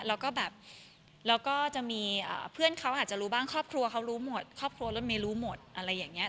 แล้วก็แบบแล้วก็จะมีเพื่อนเขาอาจจะรู้บ้างครอบครัวเขารู้หมดครอบครัวรถเมย์รู้หมดอะไรอย่างนี้